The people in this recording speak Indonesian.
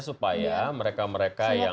supaya mereka mereka yang